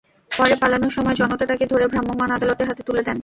পরে পালানোর সময় জনতা তাঁকে ধরে ভ্রাম্যমাণ আদালতের হাতে তুলে দেন।